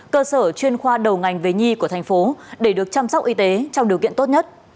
cơ sở chuyên khoa đầu ngành về nhi của thành phố để được chăm sóc y tế trong điều kiện tốt nhất